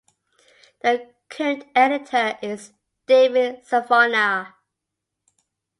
The current editor is David Savona.